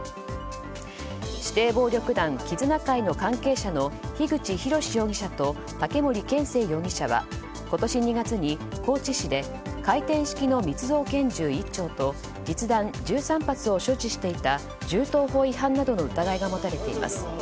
指定暴力団絆会の関係者の樋口博司容疑者と武森健生容疑者は今年２月に、高知市で回転式の密造拳銃１丁と実弾１３発を所持していた銃刀法違反などの疑いが持たれています。